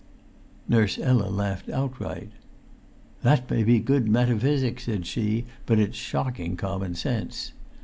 Nurse Ella laughed outright. "That may be good metaphysics," said she, "but it's shocking common sense!